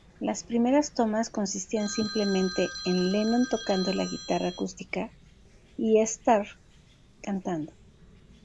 Las primeras tomas consistían simplemente en Lennon tocando la guitarra acústica y Starr cantando.